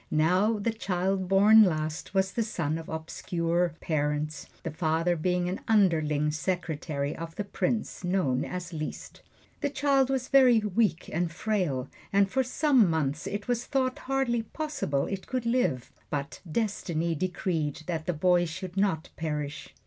Now the child born last was the son of obscure parents, the father being an underling secretary of the Prince, known as Liszt. The child was very weak and frail, and for some months it was thought hardly possible it could live; but Destiny decreed that the boy should not perish.